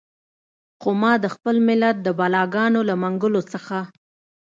خو ما د خپل ملت د بلاګانو له منګولو څخه.